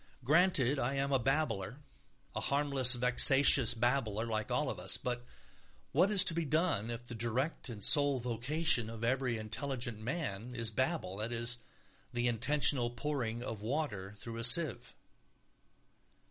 Granted I am a babbler, a harmless vexatious babbler, like all of us. But what is to be done if the direct and sole vocation of every intelligent man is babble, that is, the intentional pouring of water through a sieve?